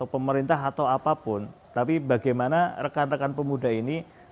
pemerintah atau apapun tapi bagaimana rekan rekan pemuda ini